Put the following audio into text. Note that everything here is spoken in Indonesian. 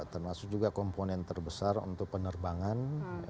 termasuk juga komponen terbesar untuk penerbangan